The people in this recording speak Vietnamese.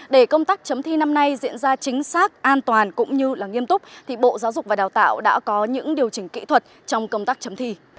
để công tác chấm thi năm nay diễn ra chính xác an toàn cũng như nghiêm túc thì bộ giáo dục và đào tạo đã có những điều chỉnh kỹ thuật trong công tác chấm thi